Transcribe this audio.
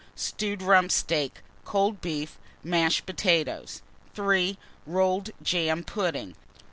Stewed rump steak, cold beef, mashed potatoes. 3. Rolled jam pudding.